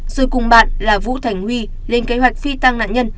rồi cùng bạn là vũ thành huy lên kế hoạch phi tăng nạn nhân